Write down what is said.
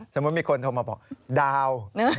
สมมุติมีคนโทรมาบอกดาว